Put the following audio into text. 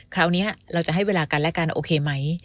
คราวนี้เราจะให้เวลากันและกันโอเคไหม